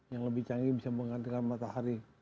yang lebih canggih bisa menggantikan matahari